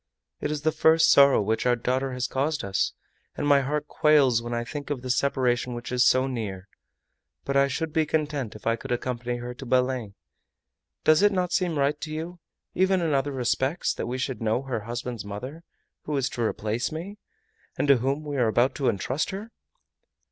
It is the first sorrow which our daughter has caused us, and my heart quails when I think of the separation which is so near! But I should be content if I could accompany her to Belem! Does it not seem right to you, even in other respects that we should know her husband's mother, who is to replace me, and to whom we are about to entrust her?